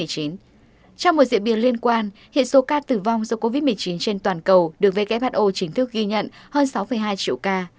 trong một diễn biến liên quan hiện số ca tử vong do covid một mươi chín trên toàn cầu được who chính thức ghi nhận hơn sáu hai triệu ca